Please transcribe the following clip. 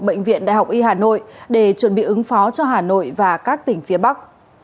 bệnh viện đại học y hà nội để chuẩn bị ứng phó cho hà nội và các tỉnh phía bắc